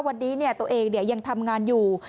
วันนี้ตัวเองยังทำงานอยู่